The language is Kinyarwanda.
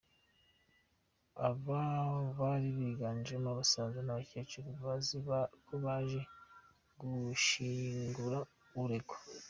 Aba bari biganjemo abasaza n’abakecuru bazi ko baje gushinjura uregwa.